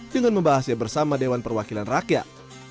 dengan membahasnya bersama dewan perwakilan rakyat